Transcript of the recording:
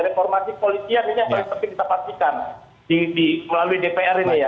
reformasi polisian ini yang paling penting kita pastikan melalui dpr ini ya